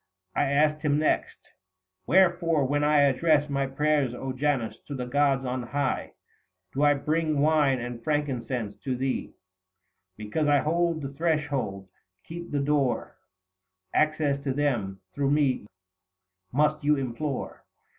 I asked him next —" Wherefore, when I address 180 My prayers, Janus, to the gods on high, Do I bring wine and frankincense to thee ?"" Because I hold the threshold, keep the door ; Access to them, through me, must you implore."